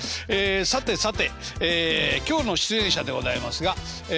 さてさて今日の出演者でございますがええ